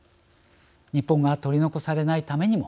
日本が取り残されないためにも。